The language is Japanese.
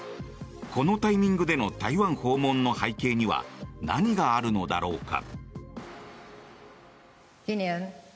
このタイミングでの台湾訪問の背景には何があるのだろうか。